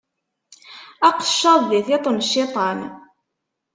Aqeccaḍ di tiṭ n cciṭan.